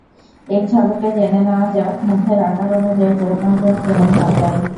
একঝলকে জেনে নেওয়া যাক, মুখের আকার অনুযায়ী চশমার ফ্রেম কেমন হওয়া চাই।